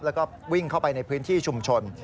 แล้วก็วิ่งเข้าไปในพื้นที่ชุมชน